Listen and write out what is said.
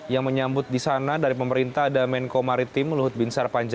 yang tadi sudah terbang dari singapura